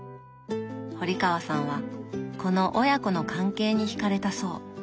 堀川さんはこの親子の関係にひかれたそう。